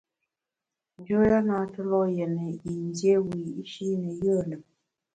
Njoya na tue lo’ yètne yin dié wiyi’shi ne yùe lùm.